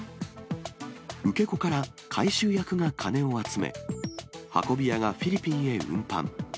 受け子から回収役が金を集め、運び屋がフィリピンへ運搬。